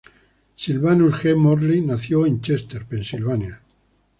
Sylvanus G. Morley nació en Chester, Pensilvania.